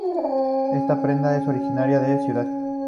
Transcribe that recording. Esta prenda es originaria de Cd.